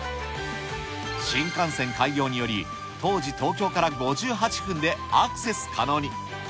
新幹線開業により、当時、東京から５８分でアクセス可能に。